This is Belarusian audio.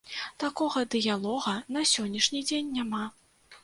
Такога дыялога на сённяшні дзень няма.